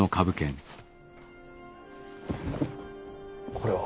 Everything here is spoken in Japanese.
これは。